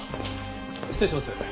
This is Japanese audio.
失礼します。